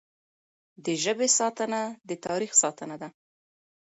د ژبې ساتنه د تاریخ ساتنه ده.